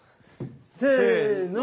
せの。